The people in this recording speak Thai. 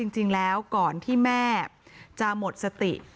จริงแล้วก่อนที่แม่จะหมดสติ